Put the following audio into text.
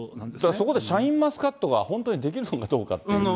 そこでシャインマスカットが本当に出来るのかどうかっていう。